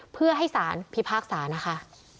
เพื่อให้สารพิพากษานะคะ